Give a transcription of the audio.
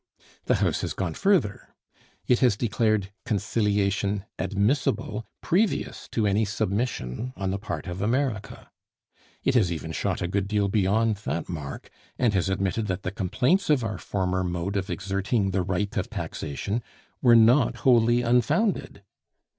The House has gone further: it has declared conciliation admissible, previous to any submission on the part of America. It has even shot a good deal beyond that mark, and has admitted that the complaints of our former mode of exerting the right of taxation were not wholly unfounded.